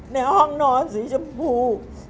ในห้องนอนสีชมพู